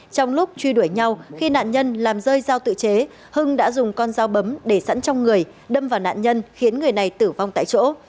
trong lúc truy đuổi nhau khi nạn nhân làm rơi giao tự chế hưng đã dùng con dao bấm để sẵn trong người đâm vào nạn nhân khiến người này tử vong tại chỗ